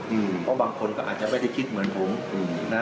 เพราะบางคนก็อาจจะไม่ได้คิดเหมือนผมนะ